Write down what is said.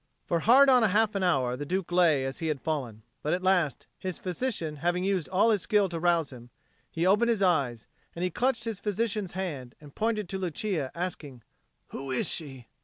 For hard on half an hour the Duke lay as he had fallen, but at last, his physician having used all his skill to rouse him, he opened his eyes; and he clutched his physician's hand and pointed to Lucia, asking, "Who is she?"